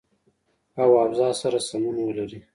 او اوضاع سره سمون ولري